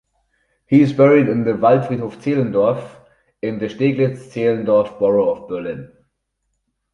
He is buried in the Waldfriedhof Zehlendorf, in the Steglitz-Zehlendorf borough of Berlin.